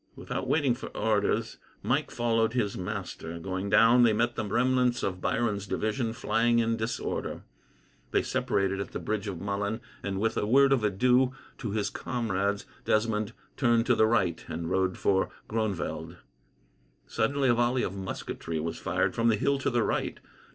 Without waiting for orders, Mike followed his master. Going down, they met the remnants of Biron's division flying in disorder. They separated at the bridge of Mullen, and, with a word of adieu to his comrades, Desmond turned to the right, and rode for Groenvelde. Suddenly, a volley of musketry was fired from the hill to the right.